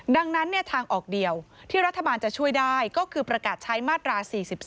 ดังนั้นทางออกเดียวที่รัฐบาลจะช่วยได้ก็คือประกาศใช้มาตรา๔๔